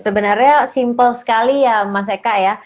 sebenarnya simpel sekali ya mas eka ya